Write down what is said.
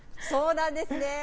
そうなんですね。